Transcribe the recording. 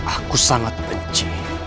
aku sangat benci